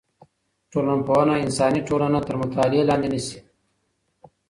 ټولنپوهنه انساني ټولنه تر مطالعې لاندي نيسي.